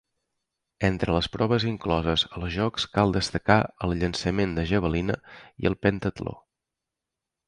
Entre les proves incloses als jocs cal destacar el llançament de javelina i el pentatló.